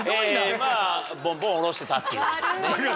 まあボンボン下ろしてたっていう事ですね。